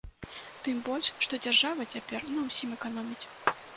Тым больш, што дзяржава цяпер на ўсім эканоміць.